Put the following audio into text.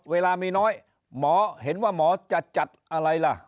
เวลามีน้อยหมอเห็นว่าหมอจะจัดอะไรล่ะ